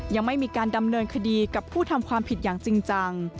ยังไม่มีการดำเนินคดีกับผู้ทำความผิดอย่างจริงจัง